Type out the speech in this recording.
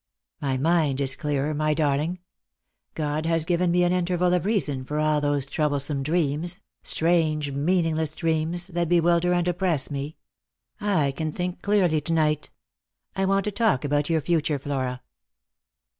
" My mind is clearer, my darling. God has given me an interval of reason after all those troublesome dreams — strange meaningless dreams — that bewilder and oppress me. I can think clearly to night. I want to talk about your future, Flora."